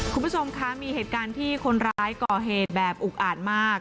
คุณผู้ชมคะมีเหตุการณ์ที่คนร้ายก่อเหตุแบบอุกอาจมาก